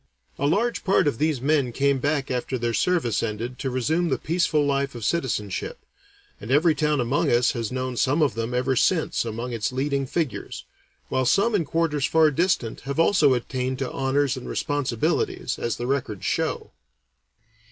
A large part of these men came back after their service ended to resume the peaceful life of citizenship, and every town among us has known some of them ever since among its leading figures, while some in quarters far distant have also attained to honors and responsibilities, as the records show.